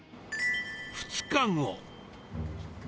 ２日後。